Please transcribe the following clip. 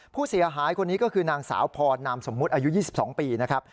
ผู้เสียหายคนนี้ก็คือนางสาวพรนามสมมุติอายุ๒๒ปีนะครับ